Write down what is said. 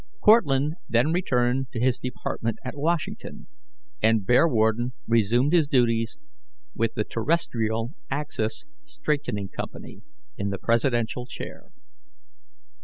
Cortlandt then returned to his department at Washington, and Bearwarden resumed his duties with the Terrestrial Axis Straightening Company, in the presidential chair.